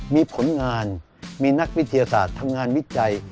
มีผลงานมีนักวิทยาศาสตร์ทำงานวิจัย